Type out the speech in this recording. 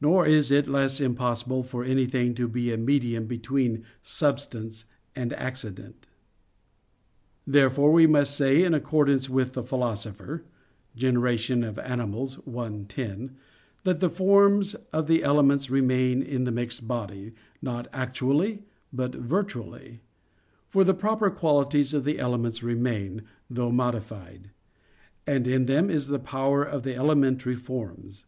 Nor is it less impossible for anything to be a medium between substance and accident. Therefore we must say, in accordance with the Philosopher (De Gener. i, 10), that the forms of the elements remain in the mixed body, not actually but virtually. For the proper qualities of the elements remain, though modified; and in them is the power of the elementary forms.